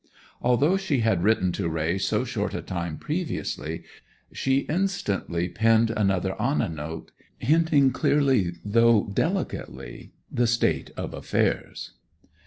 Although she had written to Raye so short a time previously, she instantly penned another Anna note hinting clearly though delicately the state of affairs.